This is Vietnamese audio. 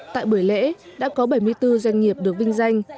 tại buổi lễ đã có bảy mươi bốn doanh nghiệp được vinh danh